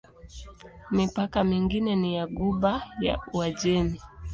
Mipaka mingine ni ya Ghuba ya Uajemi.